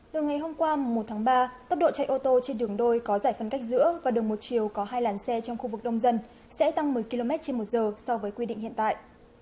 từ ngày hôm qua một tháng ba tốc độ chạy ô tô trên đường đôi có giải phân cách giữa và đường một chiều có hai làn xe trong khu vực đông dân sẽ tăng một mươi km trên một giờ so với quy định hiện tại